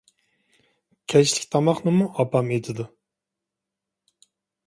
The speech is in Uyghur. كەچلىك تاماقنىمۇ ئاپام ئېتىدۇ.